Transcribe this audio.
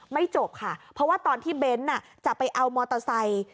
จบค่ะเพราะว่าตอนที่เบ้นจะไปเอามอเตอร์ไซค์